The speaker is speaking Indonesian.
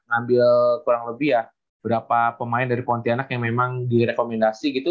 ambil kurang lebih ya berapa pemain dari pontianak yang memang direkomendasi gitu